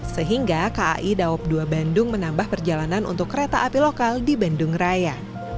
sehingga kai daob dua bandung menambah perjalanan untuk kereta api lokal di bandung raya